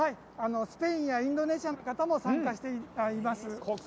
スペインやインドネシアの方も参加しています。